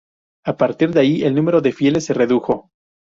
A partir de ahí el número de fieles se redujo.